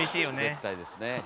絶対ですね。